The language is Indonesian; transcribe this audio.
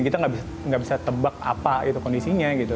kita nggak bisa tebak apa itu kondisinya gitu